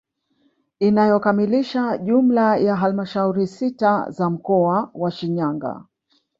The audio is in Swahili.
Inayokamilisha jumla ya halmashauri sita za mkoa wa Shinyanga